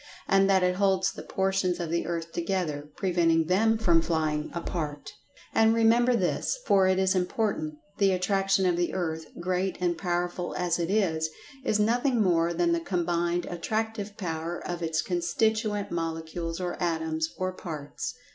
And that it holds the portions of the earth together, preventing them from flying apart. And, remember this, for it is important—the Attraction of the Earth, great and powerful as it is, is nothing more than the combined attractive power of its constituent molecules, or atoms, or parts.